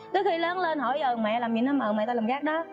tới khi lớn lên hỏi giờ mẹ làm gì mẹ làm rác đó